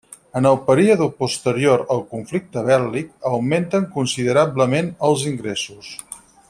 En el període posterior al conflicte bèl·lic augmenten considerablement els ingressos.